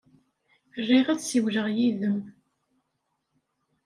Riɣ ad ssiwleɣ yid-m.